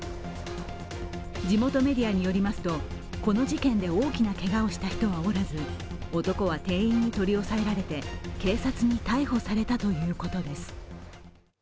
地元メディアによりますと、この事件で大きなけがをした人はおらず男は店員に取り押さえられて警察に逮捕されたということです。